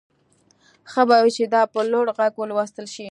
ښه به وي چې دا په لوړ غږ ولوستل شي